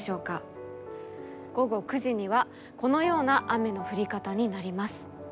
午後９時にはこのような雨の降り方になります。